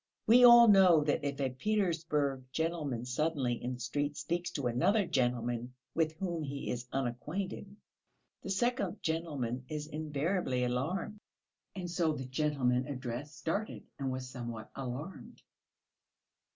We all know that if a Petersburg gentleman suddenly in the street speaks to another gentleman with whom he is unacquainted, the second gentleman is invariably alarmed. And so the gentleman addressed started and was somewhat alarmed.